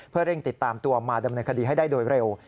เพื่อเร่งติดตามตัวมาดำเนินคดีให้ได้โดยเร็ว